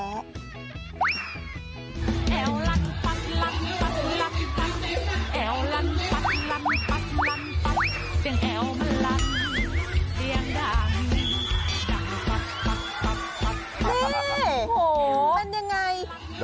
นี่เป็นอย่างไรค่ะค่ะโอ้โฮ